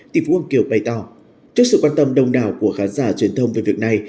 tỷ phú kiều bày tỏ trước sự quan tâm đông đảo của khán giả truyền thông về việc này